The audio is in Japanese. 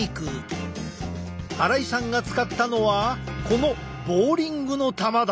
荒井さんが使ったのはこのボウリングの球だ！